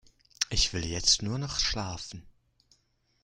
Ich will jetzt nur noch schlafen.